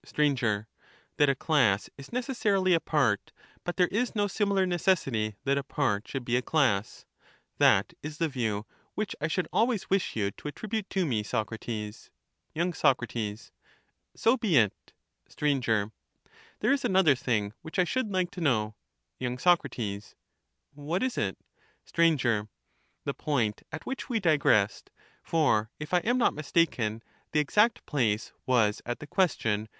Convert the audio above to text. Statesman. Sir. That a class is necessarily a part, but there is no Stuamomi. similar necessity that a part should be a class; that is the ^swIi^tes. view which I should always wish you to attribute to me, Socrates. y. Soc. So be it. Str. There is another thing which I should like to know. Y.Soc. What is it? Str. The point at which we digressed ; for, if I am not mistaken, the exact place was at the question.